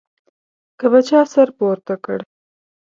که به چا سر پورته کړ.